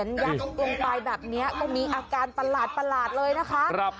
ยักษ์ลงไปแบบนี้ก็มีอาการประหลาดเลยนะคะ